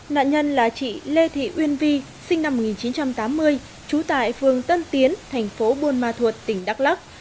nạn nhân là chị lê thị uyên vi sinh năm một nghìn chín trăm tám mươi trú tại phường tân tiến thành phố buôn ma thuột tỉnh đắk lắc